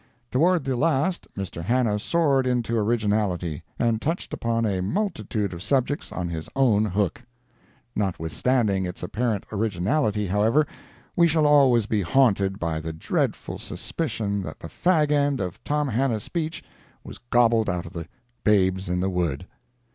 ] Toward the last, Mr. Hannah soared into originality, and touched upon a multitude of subjects on his own hook. Notwithstanding its apparent originality, however, we shall always be haunted by the dreadful suspicion that the fag end of Tom Hannah's speech was gobbled out of the Babes in the Wood.